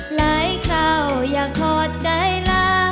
หลายคราวอยากทอดใจละ